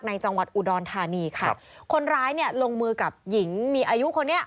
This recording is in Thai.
จังหวัดอุดรธานีค่ะคนร้ายเนี่ยลงมือกับหญิงมีอายุคนนี้